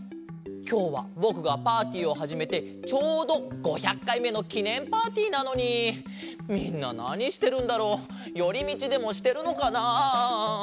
きょうはぼくがパーティーをはじめてちょうど５００かいめのきねんパーティーなのにみんななにしてるんだろう？よりみちでもしてるのかな？